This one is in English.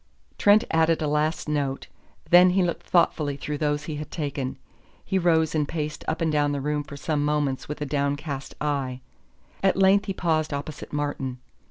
Trent added a last note; then he looked thoughtfully through those he had taken. He rose and paced up and down the room for some moments with a downcast eye. At length he paused opposite Martin.